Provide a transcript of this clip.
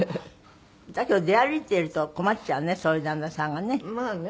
だけど出歩いてると困っちゃうねそういう旦那さんがね。まあね。